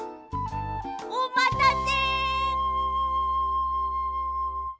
おまたせ！